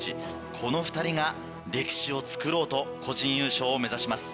この２人が歴史をつくろうと個人優勝を目指します。